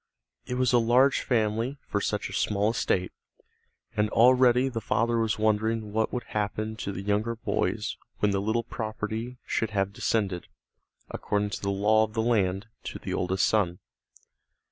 It was a large family for such a small estate, and already the father was wondering what would happen to the younger boys when the little property should have descended, according to the law of the land, to the oldest son.